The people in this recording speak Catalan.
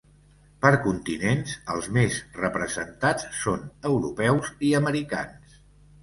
Per continents, els més representats són europeus i americans.